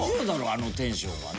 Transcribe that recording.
あのテンションはね。